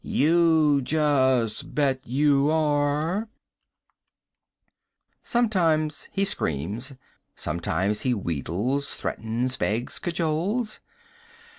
You just bet you are!" Sometimes he screams, sometimes he wheedles, threatens, begs, cajoles